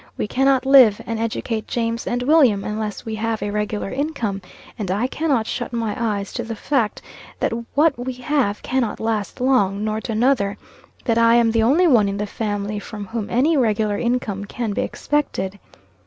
"We cannot live, and educate James and William, unless we have a regular income; and I cannot shut my eyes to the fact that what we have cannot last long nor to another, that I am the only one in the family from whom any regular income can be expected."